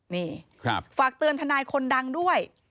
นี่ฝากเตือนทนายคนดังด้วย